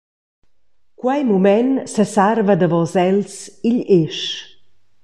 Quei mument sesarva davos els igl esch.